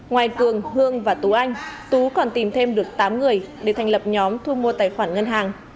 ngoài cường hương và tú anh tú còn tìm thêm được tám người để thành lập nhóm thu mua tài khoản ngân hàng